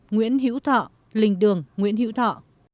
nguyễn hữu thọ linh đường nguyễn hữu thọ